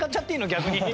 逆に。